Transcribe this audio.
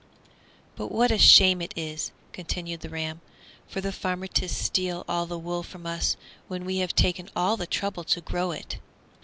"But what a shame it is," continued the ram, "for the farmer to steal all the wool from us when we have taken all the trouble to grow it!"